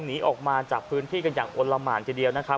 หนีออกมาจากพื้นที่กันอย่างอ้นละหมานทีเดียวนะครับ